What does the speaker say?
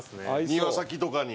庭先とかに。